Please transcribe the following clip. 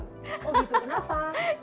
oh gitu kenapa